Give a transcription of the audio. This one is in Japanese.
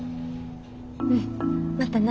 うんまたな。